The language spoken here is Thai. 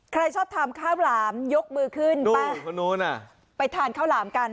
ใครชอบทานข้าวหลามยกมือขึ้นไปทานข้าวหลามกัน